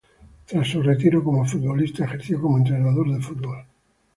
Tras su retiro como futbolista, ejerció como entrenador de fútbol.